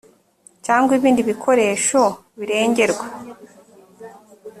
cyangwa ibindi bikoresho birengerwa